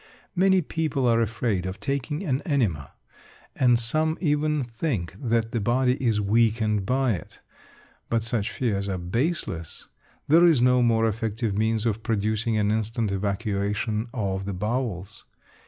Many people are afraid of taking an enema, and some even think that the body is weakened by it; but such fears are baseless. There is no more effective means of producing an instant evacuation of the bowels.